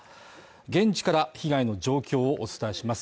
現地から被害の状況をお伝えします。